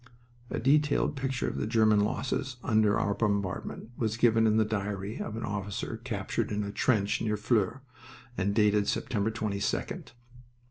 A detailed picture of the German losses under our bombardment was given in the diary of an officer captured in a trench near Flers, and dated September 22d.